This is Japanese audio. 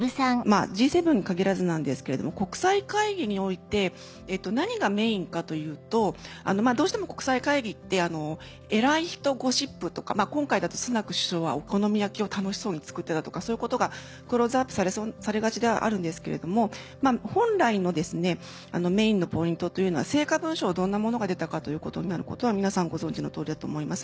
Ｇ７に限らずなんですけれども国際会議において何がメインかというとどうしても国際会議って偉い人ゴシップとか今回だと「スナク首相はお好み焼きを楽しそうに作ってた」とかそういうことがクローズアップされがちではあるんですけれども本来のメインのポイントというのは「成果文書はどんなものが出たか」ということになることは皆さんご存じの通りだと思います。